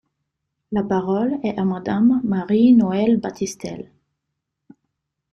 La parole est à Madame Marie-Noëlle Battistel.